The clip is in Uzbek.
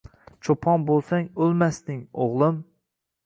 Cho’pon bo’lsang o’lmasding, o’g’lim